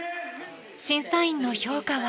審査員の評価は。